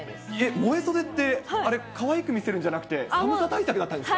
萌え袖って、あれ、かわいく見せるんじゃなくて寒さ対策だったんですか？